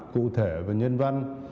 cụ thể và nhân văn